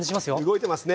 動いてますね。